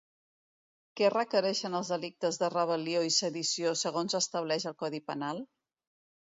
Què requereixen els delictes de rebel·lió i sedició segons estableix el codi penal?